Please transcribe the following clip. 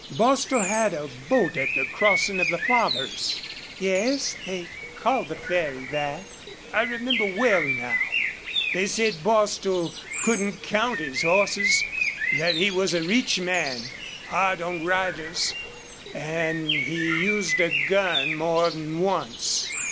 Bostil had a boat at the crossing of the Fathers." "Yes, they called the Ferry that." "I remember well now. They said Bostil couldn't count his horses that he was a rich man, hard on riders an' he'd used a gun more than once."